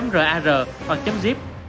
rar hoặc zip